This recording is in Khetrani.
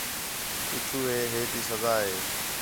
پیٹھو ہے ہے تی سزا ہے